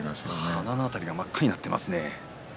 鼻の辺りが真っ赤になっていますね